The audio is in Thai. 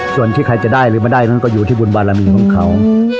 ส่วนที่ใครจะได้หรือไม่ได้นั้นก็อยู่ที่บุญบารมีของเขา